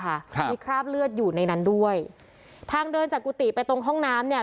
ครับมีคราบเลือดอยู่ในนั้นด้วยทางเดินจากกุฏิไปตรงห้องน้ำเนี่ย